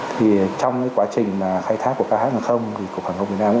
thì trong quá trình khai thác của khhn không thì cục hàng không việt nam